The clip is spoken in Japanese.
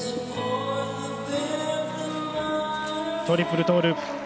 トリプルトーループ。